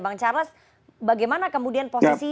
bang charles bagaimana kemudian posisi